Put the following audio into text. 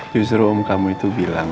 justru om kamu itu bilang